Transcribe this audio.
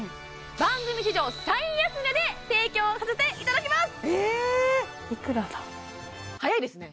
番組史上最安値で提供させていただきますえっ早いですね